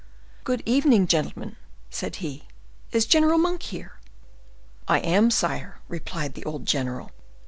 "Good evening, gentlemen," said he. "Is General Monk here?" "I am here, sire," replied the old general.